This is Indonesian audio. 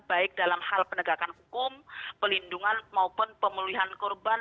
baik dalam hal penegakan hukum pelindungan maupun pemulihan korban